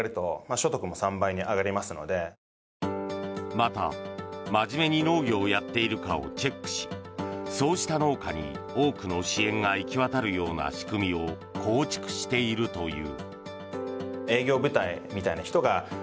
また、真面目に農業をやっているかをチェックしそうした農家に多くの支援が行き渡るような仕組みを構築しているという。